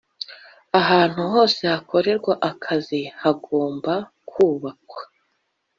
Ahantu hose hakorerwa akazi hagomba kubakwa